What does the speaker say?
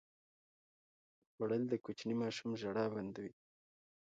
خوړل د کوچني ماشوم ژړا بنده وي